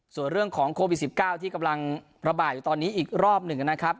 ส่วนเรื่องของโควิด๑๙ที่กำลังระบาดอยู่ตอนนี้อีกรอบหนึ่งนะครับ